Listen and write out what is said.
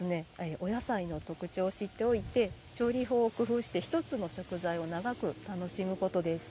お野菜の特徴を知っておいて調理法を工夫して１つの食材を長く楽しむことです。